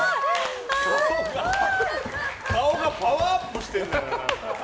顔がパワーアップしてるのよ。